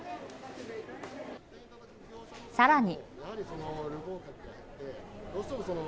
さらに。